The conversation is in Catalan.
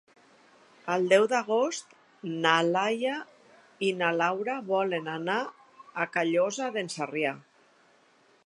El deu d'agost na Laia i na Laura volen anar a Callosa d'en Sarrià.